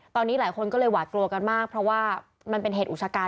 ตอนนี้หลายคนก็เลยหวาดกลัวกันมากเพราะว่ามันเป็นเหตุอุชกัน